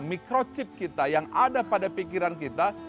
microchip kita yang ada pada pikiran kita